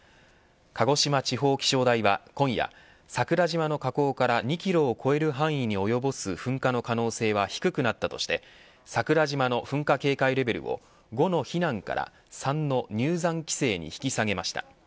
鹿児島地方気象台は今夜桜島の火口から２キロを超える範囲に及ぼす噴火の可能性は低くなったとして桜島の噴火警戒レベルを５の避難から３の入山規制に引き下げました。